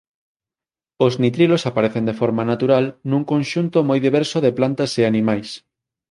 Os nitrilos aparecen de forma natural nun conxunto moi diverso de plantas e animais.